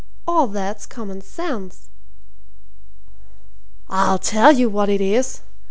All that's common sense." "I'll tell you what it is!"